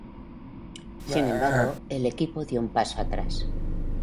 Sin embargo, el equipo dio un paso atrás.